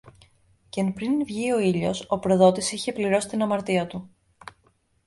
Και πριν βγει ο ήλιος, ο προδότης είχε πληρώσει την αμαρτία του.